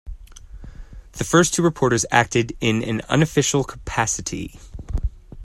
The first two reporters acted in an unofficial capacity.